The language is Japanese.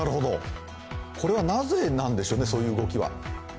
これはなぜなんでしょうね、そういう動きは。